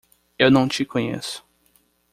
Eu não te conheço!